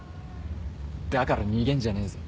だから逃げんじゃねえぞ。